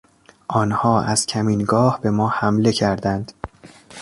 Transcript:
آنها از کمینگاه به ما حمله کردند.